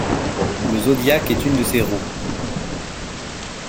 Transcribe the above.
Le zodiaque est une de ces roues.